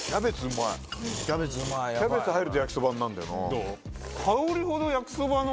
キャベツ入ると焼そばになるんだよな。